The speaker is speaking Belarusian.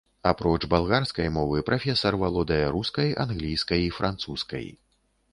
Апроч балгарскай мовы, прафесар валодае рускай, англійскай і французскай.